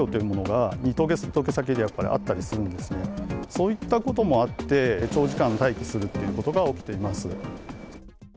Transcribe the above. そういったこともあって長時間待機するということが起きています。